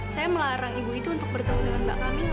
saya melarang ibu itu untuk bertemu dengan mbak kami